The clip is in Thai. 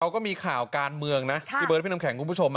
ก็มีข่าวการเมืองนะพี่เบิร์ดพี่น้ำแข็งคุณผู้ชม